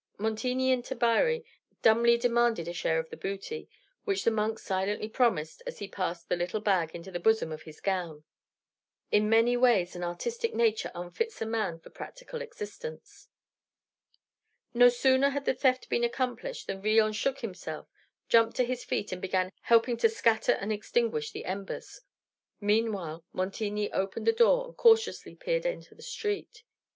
Montigny and Tabary dumbly demanded a share of the booty, which the monk silently promised as he passed the little bag into the bosom of his gown. In many ways an artistic nature unfits a man for practical existence. No sooner had the theft been accomplished than Villon shook himself, jumped to his feet, and began helping to scatter and extinguish the embers. Meanwhile Montigny opened the door and cautiously peered into the street.